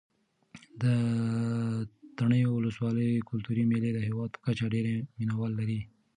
د تڼیو ولسوالۍ کلتوري مېلې د هېواد په کچه ډېر مینه وال لري.